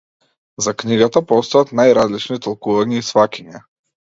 За книгата постојат најразлични толкувања и сфаќања.